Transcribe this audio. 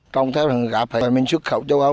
trong thế giới gặp phải mình xuất khẩu châu âu